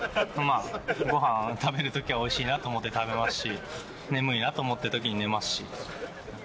まあ、ごはん食べるときは、おいしいなと思って食べますし、眠いなと思ったときに寝ますし。